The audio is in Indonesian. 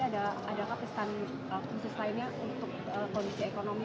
ada apa pesan khusus lainnya untuk kondisi ekonomi